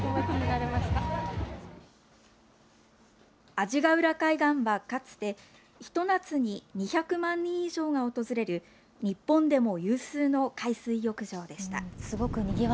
阿字ヶ浦海岸はかつて、ひと夏に２００万人以上が訪れる、日本でも有数の海水浴場でした。